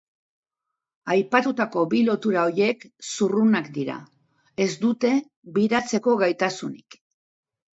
Aipatutako bi lotura horiek zurrunak dira, ez dute biratzeko gaitasunik.